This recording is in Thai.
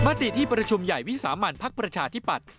บรรติที่ประชุมใหญ่วีสามัญภักดิ์ประชาธิปัตธิ์